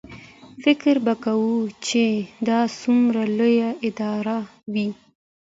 فکر به کوې چې دا څومره لویه اداره وي.